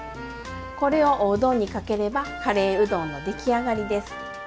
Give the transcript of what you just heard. これをおうどんにかければカレーうどんの出来上がりです。